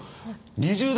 ２０代？